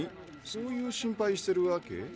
そういう心配してるわけ？